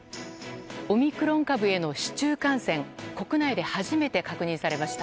オミクロン株への市中感染国内で初めて確認されました。